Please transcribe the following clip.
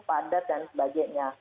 padat dan sebagainya